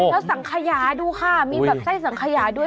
แล้วสังขยาดูค่ะมีแบบไส้สังขยาด้วย